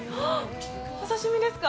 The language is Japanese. お刺身ですか？